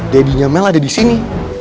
dadinya mel ada disini